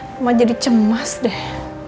mama jadi cemas deh